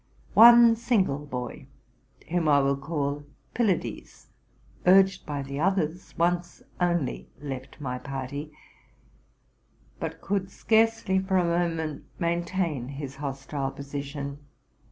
One single boy, whom I will call Pylades, urged by the others, once only left my party, but could scarcely for a moment maintain his hostile position.